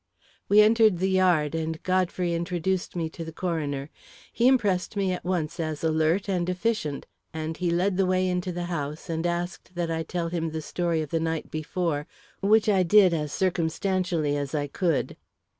We entered the yard, and Godfrey introduced me to the coroner. He impressed me at once as alert and efficient, and he led the way into the house, and asked that I tell him the story of the night before, which I did as circumstantially as I could.